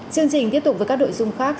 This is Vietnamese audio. chương trình tiếp tục với các đội dung khác